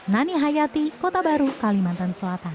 nani hayati kota baru kalimantan selatan